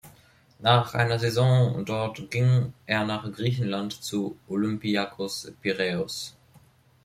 Nach einer Saison dort ging er nach Griechenland zu Olympiakos Piräus.